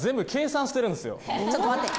ちょっと待って。